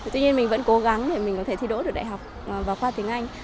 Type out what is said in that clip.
tuy nhiên mình vẫn cố gắng để mình có thể thi đỗ được đại học vào khoa tiếng anh